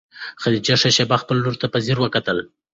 خدیجې ښه شېبه خپلې لور ته په ځیر وکتل.